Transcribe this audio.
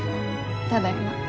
ただいま。